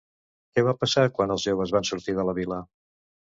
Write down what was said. Què va passar quan els joves van sortir de la vila?